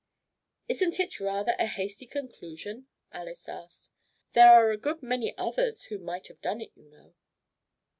"Isn't it rather a hasty conclusion?" Alys asked. "There are a good many others who might have done it, you know."